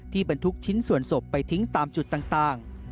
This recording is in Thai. บรรทุกชิ้นส่วนศพไปทิ้งตามจุดต่าง